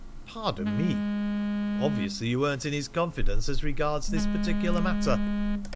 "Pardon me." "Obviously you weren't in his confidence as regards this particular matter."